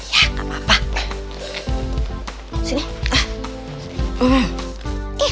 bisa patuk tuh sini kak bibi